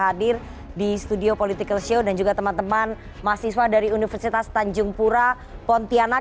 hadir di studio political show dan juga teman teman mahasiswa dari universitas tanjung pura pontianak